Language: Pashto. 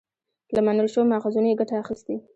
له منل شويو ماخذونو يې ګټه اخستې